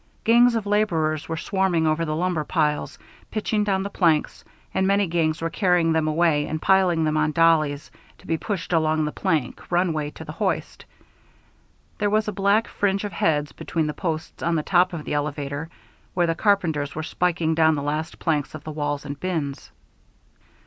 Gangs of laborers were swarming over the lumber piles, pitching down the planks, and other gangs were carrying them away and piling them on "dollies," to be pushed along the plank runways to the hoist. There was a black fringe of heads between the posts on the top of the elevator, where the carpenters were spiking down the last planks of the walls and bins.